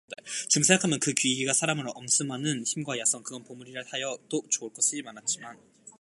지금 생각하면 그 귀기가 사람을 엄습하는 힘과 야성, 그건―보물이라 하여도 좋을 것이 많았지만